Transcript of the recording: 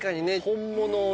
本物をね。